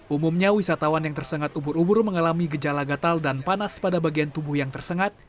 umumnya wisatawan yang tersengat ubur ubur mengalami gejala gatal dan panas pada bagian tubuh yang tersengat